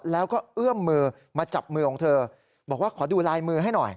แล้วก็เอื้อมมือมาจับมือของเธอบอกว่าขอดูลายมือให้หน่อย